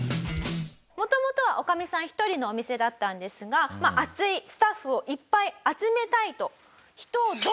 元々は女将さん一人のお店だったんですが熱いスタッフをいっぱい集めたいと。